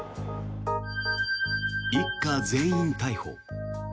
一家全員逮捕。